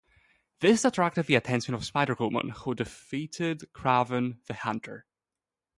This attracted the attention of Spider-Woman who defeated Kraven the Hunter.